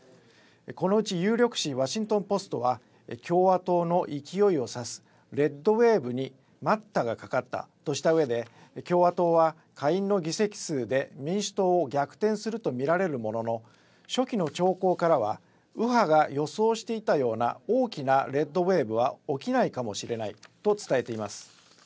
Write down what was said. このうち有力紙、ワシントン・ポストは共和党の勢いを指すレッドウェーブに待ったがかかったとしたうえで共和党は下院の議席数で民主党を逆転すると見られるものの初期の兆候からは右派が予想していたような大きなレッドウェーブは起きないかもしれないと伝えています。